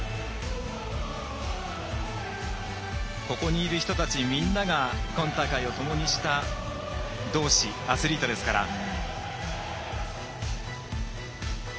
ここにいる人たちみんなが今大会をともにした同志アスリートですから。